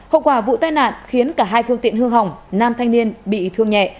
hậu quả vụ tai nạn khiến cả hai phương tiện hương hỏng nam thanh niên bị thương nhẹ